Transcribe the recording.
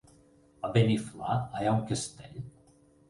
A Beniflà hi ha un castell?